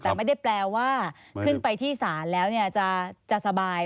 แต่ไม่ได้แปลว่าขึ้นไปที่ศาลแล้วจะสบาย